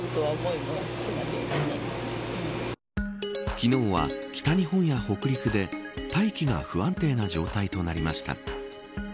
昨日は、北日本や北陸で大気が不安定な状態となりました。